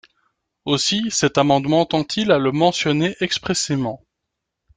Aussi cet amendement tend-il à le mentionner expressément.